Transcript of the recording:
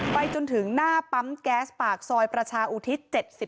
ไปจนถึงหน้าปั๊มแก๊สปากซอยประชาอุทิศ๗๒